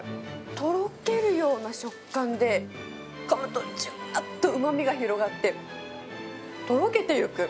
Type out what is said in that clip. とろけるような食感で、かむとじゅわっとうまみが広がって、とろけてゆく。